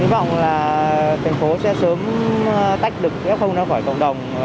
tuy nhiên là thành phố sẽ sớm tách được f ra khỏi cộng đồng